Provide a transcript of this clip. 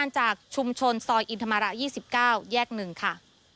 จากชุมชนซอยอินธรรมระ๒๙แยก๑ค่ะ